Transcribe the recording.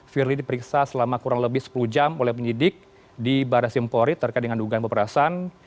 firly diperiksa selama kurang lebih sepuluh jam oleh penyidik di barres simpori terkait dengan dugaan peperasan